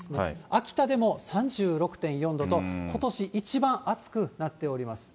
秋田でも３６．４度と、ことし一番暑くなっております。